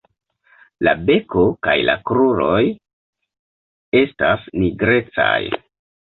La beko kaj la kruroj estas nigrecaj.